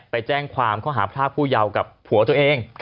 ไปแจ้งความข้อหาพรากผู้เยาว์กับผัวตัวเอง